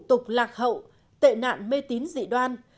tục lạc hậu tệ nạn mê tín dị đoan